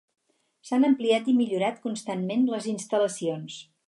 S'han ampliat i millorat constantment les instal·lacions.